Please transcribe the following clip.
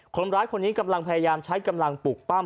คนร้ายคนนี้กำลังพยายามใช้กำลังปลูกปั้ม